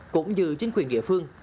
cũng như chính quyền địa phương